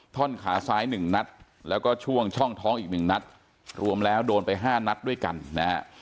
ท่อนขาซ้าย๑นัดแล้วก็ช่วงช่องท้องอีกหนึ่งนัดรวมแล้วโดนไป๕นัดด้วยกันนะฮะ